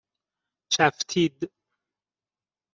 چَفتید